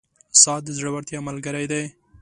• ساعت د زړورتیا ملګری دی.